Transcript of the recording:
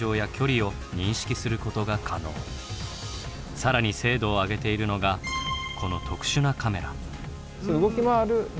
更に精度を上げているのがこの特殊なカメラ。